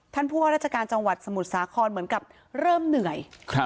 ท่านผู้ว่าราชการจังหวัดสมุทรสาครเหมือนกับเริ่มเหนื่อย